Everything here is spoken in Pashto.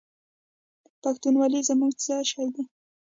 پښتونولي زموږ څه شی دی؟